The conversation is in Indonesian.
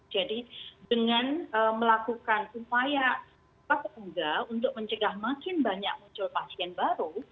jadi dengan melakukan upaya pasuk punggah untuk mencegah makin banyak muncul pasien baru